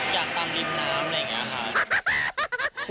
อยากตามลิฟต์น้ำอะไรอย่างนี้ค่ะ